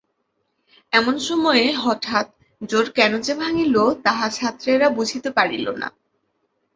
এমন সময়ে হঠাৎ জোড় কেন যে ভাঙিল, তাহা ছাত্রেরা বুঝিতে পারিল না।